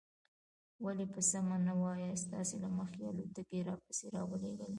ولې په سمه نه وایاست؟ تاسې له مخکې الوتکې را پسې را ولېږلې.